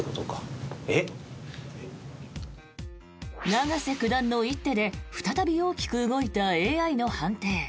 永瀬九段の一手で再び大きく動いたＡＩの判定。